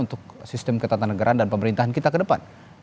untuk sistem ketatanegaraan dan pemerintahan kita ke depan